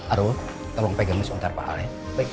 aro tolong pegangin sebentar pak a ya